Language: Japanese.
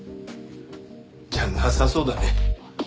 じゃなさそうだね。